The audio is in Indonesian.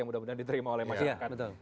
yang mudah mudahan diterima oleh banyak orang